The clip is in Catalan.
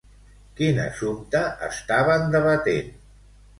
Quin assumpte estaven debatent?